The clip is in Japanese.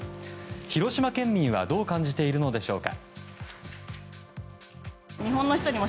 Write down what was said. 広島県民はどう感じているのでしょうか。